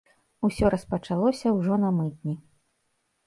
Усё распачалося ўжо на мытні.